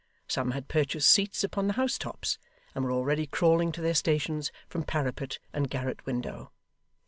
Some had purchased seats upon the house tops, and were already crawling to their stations from parapet and garret window.